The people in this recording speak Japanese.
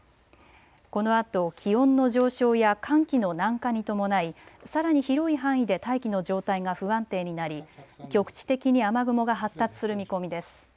このあと気温の上昇や寒気の南下に伴い、さらに広い範囲で大気の状態が不安定になり局地的に雨雲が発達する見込みです。